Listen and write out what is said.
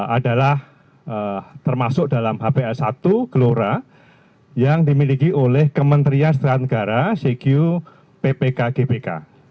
adalah termasuk dalam hpa satu gelora yang dimiliki oleh kementerian setelah negara cq ppkgpk